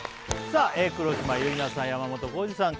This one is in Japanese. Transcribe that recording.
さあ黒島結菜さん